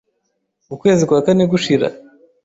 ukwezi kwa kane gushira